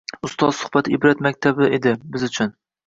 Ustoz suhbati ibrat maktabi edi biz uchun